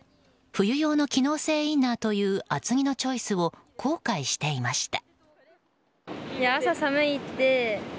冬用の機能性インナーという厚着のチョイスを後悔していました。